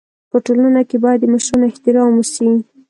په ټولنه کي بايد د مشرانو احترام وسي.